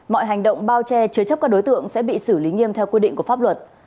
mọi hành động bao che chứa chấp các đối tượng sẽ bị xử lý nghiêm theo quy định của pháp luật